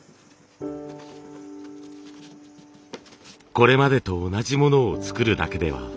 これまでと同じものを作るだけでは未来はない。